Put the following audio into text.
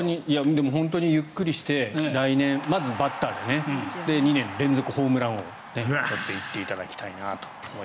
本当に、ゆっくりして来年、まずバッターで２年連続ホームラン王を取っていただきたいなと。